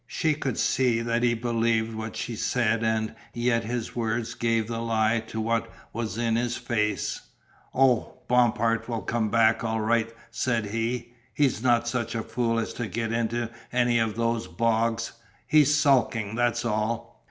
She could see that he believed what she said and yet his words gave the lie to what was in his face. "Oh, Bompard will come back all right," said he. "He's not such a fool as to get into any of those bogs; he's sulking, that's all."